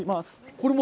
これも？